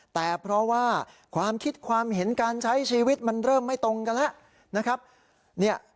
แต่เพราะว่าความคิดความเห็นการใช้ชีวิตมันเริ่มไม่ตรงกันแล้วนะครับ